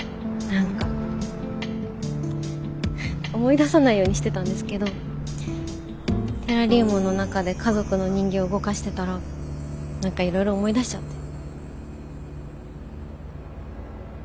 何か思い出さないようにしてたんですけどテラリウムの中で家族の人形動かしてたら何かいろいろ思い出しちゃって。